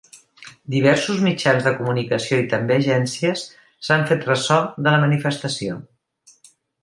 Diversos mitjans de comunicació i també agències s’han fet ressò de la manifestació.